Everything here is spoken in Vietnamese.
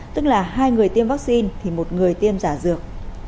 tức là hai người tiêm vaccine thì một người tiêm giả dược